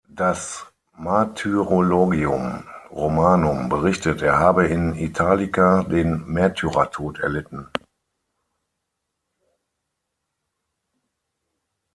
Das "Martyrologium Romanum" berichtet, er habe in Italica den Märtyrertod erlitten.